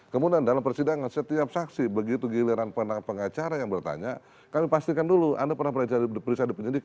kemudian dalam persidangan setiap saksi begitu giliran pengacara yang bertanya kami pastikan dulu anda pernah diperiksa di penyidik